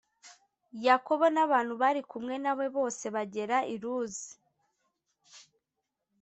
yakobo n abantu bari kumwe na we bose bagera i luzi